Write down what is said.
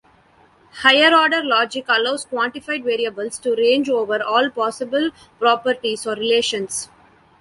Higher-order logic allows quantified variables to range over all possible properties or relations.